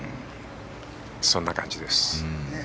そんな感じです。